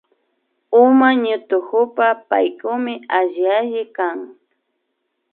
Uma ñutukupa Paykukmi alli alli kan